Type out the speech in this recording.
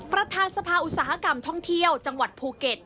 ประธานสภาอุตสาหกรรมท่องเที่ยวจังหวัดภูเก็ต